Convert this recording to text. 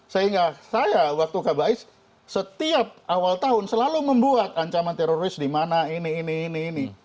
sehingga saya waktu kabais setiap awal tahun selalu membuat ancaman teroris di mana ini ini ini ini